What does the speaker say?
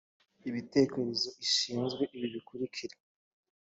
ibitekerezo ishinzwe ibi bikurikira